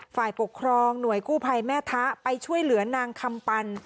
ฝ่ายปกครองหน่วยกู้ภัยแม่ทะไปช่วยเหลือนางคำปัน